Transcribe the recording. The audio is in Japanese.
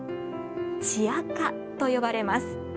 血赤と呼ばれます。